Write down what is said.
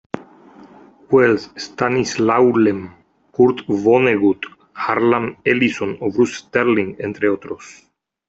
Wells, Stanislaw Lem, Kurt Vonnegut, Harlan Ellison o Bruce Sterling, entre otros.